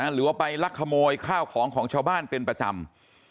หรือว่าไปลักขโมยข้าวของของชาวบ้านเป็นประจำ